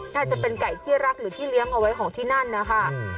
น่าจะเป็นไก่ที่รักหรือที่เลี้ยงเอาไว้ของที่นั่นนะคะ